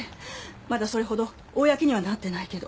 まだそれほど公にはなってないけど。